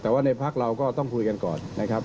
แต่ว่าในพักเราก็ต้องคุยกันก่อนนะครับ